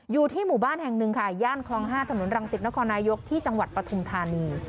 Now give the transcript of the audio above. อยู่ที่หมู่บ้านแห่งหนึ่งค่ะย่านคลอง๕ถนนรังสิตนครนายกที่จังหวัดปฐุมธานี